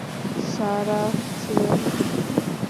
Sarah ছিলেন বন্ধ্যা।